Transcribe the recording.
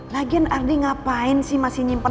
lagian ardi ngapain sih masih nyimpan